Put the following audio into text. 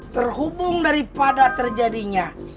terhubung daripada terjadinya